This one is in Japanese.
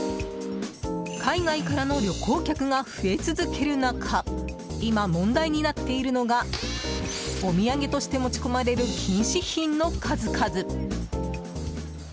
海外からの旅行客が増え続ける中今、問題になっているのがお土産として持ち込まれる禁止品の数々。